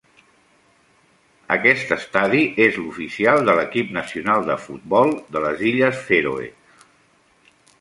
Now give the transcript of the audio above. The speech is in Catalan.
Aquest estadi és l'oficial de l'equip nacional de futbol de les Illes Fèroe.